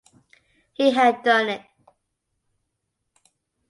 He had done it.